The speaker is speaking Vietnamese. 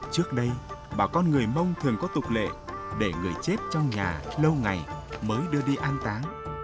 trước đây bà con người mông thường có tục lệ để người chết trong nhà lâu ngày mới đưa đi an táng